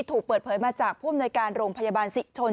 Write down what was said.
ถูกเปิดเผยมาจากผู้อำนวยการโรงพยาบาลศิชน